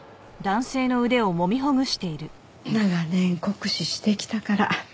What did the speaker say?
長年酷使してきたから。